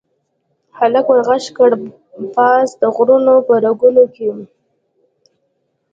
هلک ور ږغ کړل، پاس د غرونو په رګونو کې